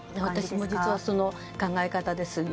私も実は、この考え方です。